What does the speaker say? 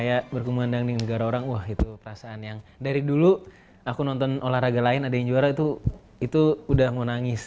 kayak berkembang dengan negara orang wah itu perasaan yang dari dulu aku nonton olahraga lain ada yang juara itu udah mau nangis